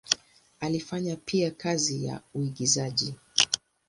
Alifanya pia kazi ya uigizaji.